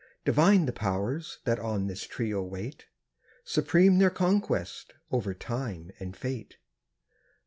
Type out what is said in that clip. Divine the Powers that on this trio wait. Supreme their conquest, over Time and Fate.